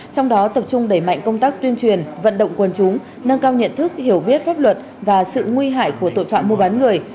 trong đó tập trung đẩy mạnh công tác tuyên truyền vận động quân chúng nâng cao nhận thức hiểu biết pháp luật và sự nguy hại của tội phạm mua bán người